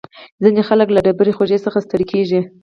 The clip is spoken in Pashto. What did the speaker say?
ځینې خلک له ډېرې خوږې څخه ستړي کېږي.